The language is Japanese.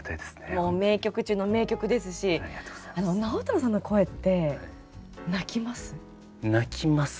もう名曲中の名曲ですし直太朗さんの声って泣きます。